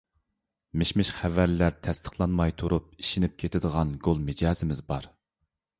مىش-مىش خەۋەرلەر تەستىقلانماي تۇرۇپ ئىشىنىپ كېتىدىغان گول مىجەزىمىز بار.